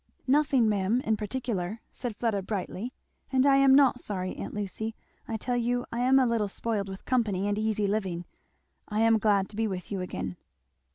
"Nothing ma'am, in particular," said Fleda brightly, "and I am not sorry, aunt Lucy I tell you I am a little spoiled with company and easy living I am glad to be with you again."